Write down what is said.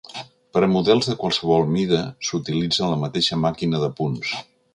Per a models de qualsevol mida, s'utilitza la mateixa màquina de punts.